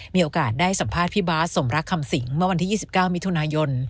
มีโอกาสได้สัมภาษณ์พี่บาทสมรักคำสิงเมื่อวันที่๒๙มิถุนายน